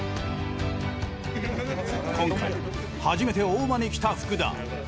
今回初めて大間に来た福田。